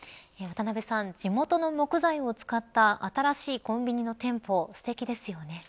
地元の木材を使った新しいコンビニの店舗すてきですね。